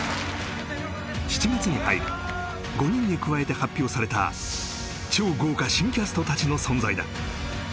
７月に入り５人に加えて発表された超豪華新キャスト達の存在だ